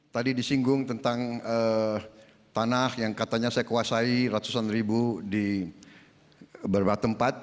tadi disinggung tentang tanah yang katanya saya kuasai ratusan ribu di beberapa tempat